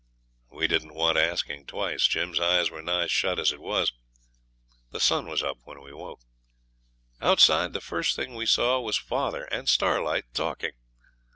We didn't want asking twice, Jim's eyes were nigh shut as it was. The sun was up when we woke. Outside the first thing we saw was father and Starlight talking.